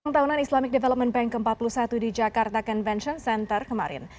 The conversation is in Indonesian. tahunan islamic development bank ke empat puluh satu di jakarta convention center kemarin